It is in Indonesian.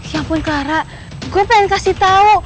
ya ampun clara gue pengen kasih tau